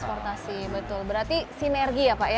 transportasi betul berarti sinergi ya pak ya